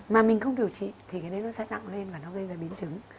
mà mình không điều trị thì cái đấy nó sẽ nặng lên và nó gây ra biến chứng